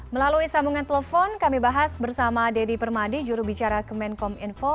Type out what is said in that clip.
melalui sambungan telepon kami bahas bersama dedy permadi jurubicara kemenkominfo